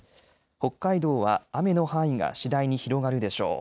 北海道は雨の範囲が次第に広がるでしょう。